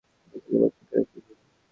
আমি তাকে বললাম, কেটেছে কীভাবে?